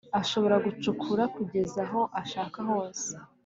ashobora gucukura kugeza aho ashaka hose